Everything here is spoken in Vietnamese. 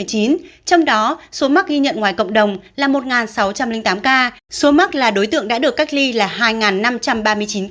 trong đó số mắc ghi nhận ngoài cộng đồng là một sáu trăm linh tám ca số mắc là đối tượng đã được cách ly là hai năm trăm ba mươi chín ca